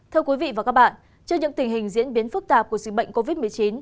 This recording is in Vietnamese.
thưa quý vị và các bạn trước những tình hình diễn biến phức tạp của dịch bệnh covid một mươi chín